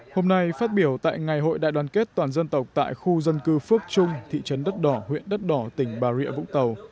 hôm nay phát biểu tại ngày hội đại đoàn kết toàn dân tộc tại khu dân cư phước trung thị trấn đất đỏ huyện đất đỏ tỉnh bà rịa vũng tàu